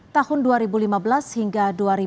tahun dua ribu lima belas hingga dua ribu dua puluh